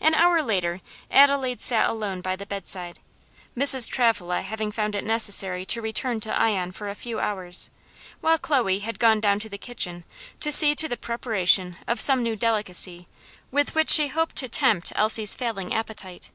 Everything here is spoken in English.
An hour later Adelaide sat alone by the bedside, Mrs. Travilla having found it necessary to return to Ion for a few hours, while Chloe had gone down to the kitchen to see to the preparation of some new delicacy with which she hoped to tempt Elsie's failing appetite.